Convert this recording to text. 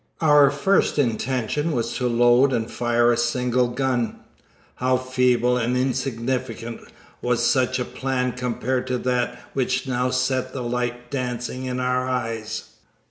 Our first intention was to load and fire a single gun. How feeble and insignificant was such a plan compared to that which now sent the light dancing into our eyes!